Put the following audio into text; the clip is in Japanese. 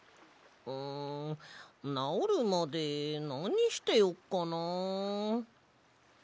んなおるまでなにしてよっかな。